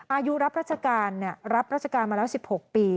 อายุรับราชการรับราชการมาแล้ว๑๖ปี